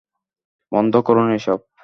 বন্ধ করুন এসব।